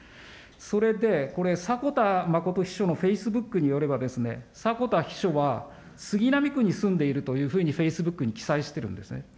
それで、これ、迫田誠秘書のフェイスブックによれば、迫田秘書が、杉並区に住んでいるというふうにフェイスブックに記載してるんですね。